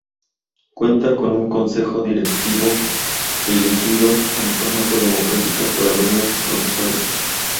Cuenta con un consejo directivo, elegido en forma democrática por alumnos y profesores.